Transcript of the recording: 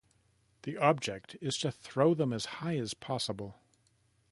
The object is to throw them as high as possible.